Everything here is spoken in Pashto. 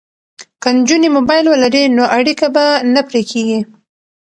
که نجونې موبایل ولري نو اړیکه به نه پرې کیږي.